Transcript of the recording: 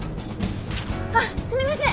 あっすみません！